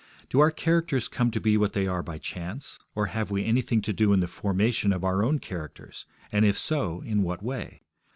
Do our characters come to be what they are by chance, or have we anything to do in the formation of our own characters, and if so, in what way?